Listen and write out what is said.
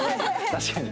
確かに。